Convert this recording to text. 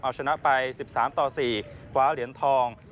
เอาชนะไป๑๓ต่อ๔คว้าเหรียญทอง